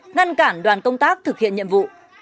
ngăn cản đoàn công tác thực hiện nhiệm vụ